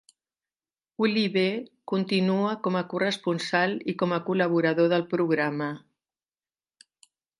Oliver continua com a corresponsal i com a col·laborador del programa.